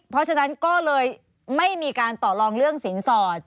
เพราะฉะนั้นก็เลยไม่มีการต่อลองเรื่องสินสอด